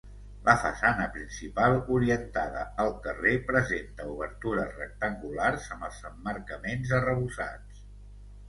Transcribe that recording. La façana principal, orientada al carrer, presenta obertures rectangulars amb els emmarcaments arrebossats.